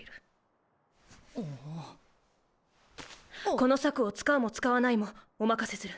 この策を使うも使わないもお任せする。